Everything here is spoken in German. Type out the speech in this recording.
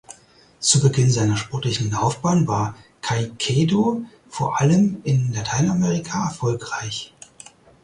Zu Beginn seiner sportlichen Laufbahn war Caicedo vor allem in Lateinamerika erfolgreich.